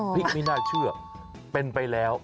หรอพี่ไม่น่าเชื่อเป็นไปแล้ว